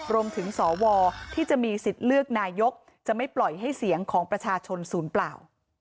สวที่จะมีสิทธิ์เลือกนายกจะไม่ปล่อยให้เสียงของประชาชนศูนย์เปล่า